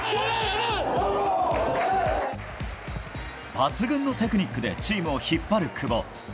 抜群のテクニックでチームを引っ張る久保。